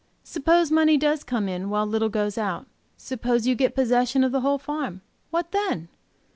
Suppose money does come in while little goes out; suppose you get possession of the whole farm; what then?